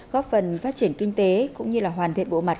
góp phần phát triển kinh tế cũng như hoàn thiện bộ mặt